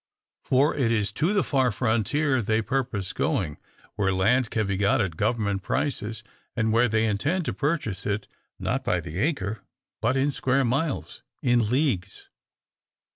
For it is to the far frontier they purpose going, where land can be got at government prices, and where they intend to purchase it not by the acre, but in square miles in leagues.